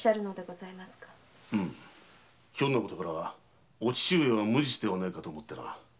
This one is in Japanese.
ひょんなことからお父上は無実ではないかと思ってな。